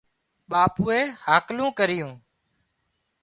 ٻاپوئي هاڪلون ڪريون